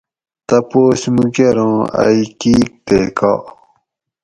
تپوس مُو کۤر اُوں ائی کِیک تے کا